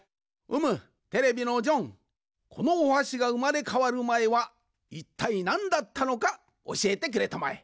このおはしがうまれかわるまえはいったいなんだったのかおしえてくれたまえ。